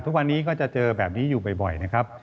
ทุกวันนี้ก็จะเจอแบบนี้อยู่บ่อยนะครับ